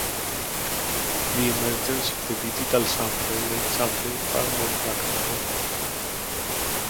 The emergence of the digital sampler made sampling far more practical.